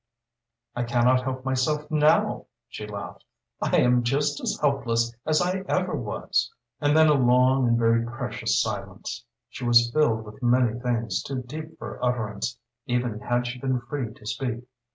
"I can not help myself now," she laughed. "I am just as helpless as I ever was." And then a long and very precious silence. She was filled with many things too deep for utterance, even had she been free to speak.